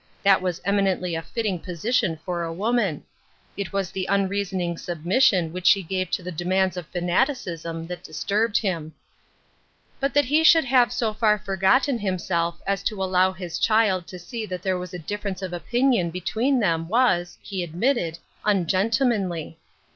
That was eminently a fitting position for a woman ; it was the unreasoning submission which she gave to the demands of fanaticism that disturbed him. "the deed for the will." 145 But that he should have so far forgotten himself as to allow his child to see that there was a differ ence of opinion between them was, he admitted, ungentlemanly.